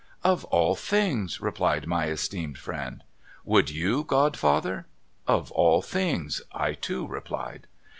' Of all things,' replied my esteemed friend. ' Would you, godfather?' ' Of all things,' I too replied.